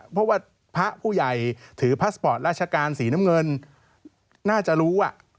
เพราะว่าพระผู้ใหญ่ถือพาสปอร์ตราชการสีน้ำเงินน่าจะรู้